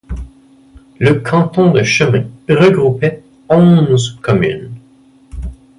Le canton de Chemin regroupait onze communes.